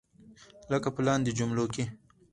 لکه په لاندې جملو کې.